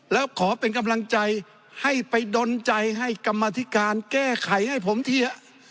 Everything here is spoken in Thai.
แล้วขอเป็นกำลังใจให้ไปดนใจให้กรรมธิการแก้ไขให้ผมที